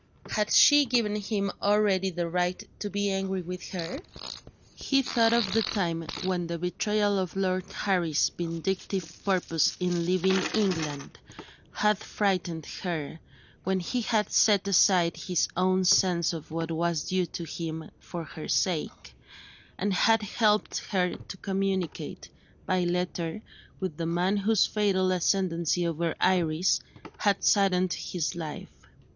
Had she given him already the right to be angry with her? He thought of the time, when the betrayal of Lord Harry's vindictive purpose in leaving England had frightened her when he had set aside his own sense of what was due to him, for her sake and had helped her to communicate, by letter, with the man whose fatal ascendency over Iris had saddened his life.